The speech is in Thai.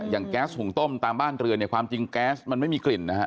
แก๊สหุงต้มตามบ้านเรือนเนี่ยความจริงแก๊สมันไม่มีกลิ่นนะฮะ